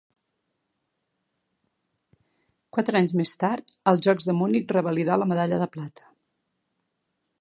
Quatre anys més tard, als Jocs de Munic revalidà la medalla de plata.